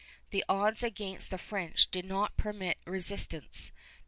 The odds against the French did not permit resistance.